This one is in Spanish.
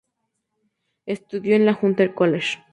Estudió en la Hunter College.